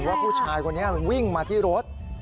ว่าผู้ชายคนนี้มันวิ่งมาที่รถ